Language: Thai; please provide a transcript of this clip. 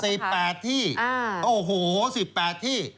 สิบแปดที่โอ้โหสิบแปดที่